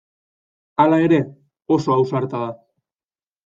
Hala ere, oso ausarta da.